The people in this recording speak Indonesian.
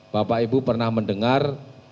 bapak ibu pernah mendengar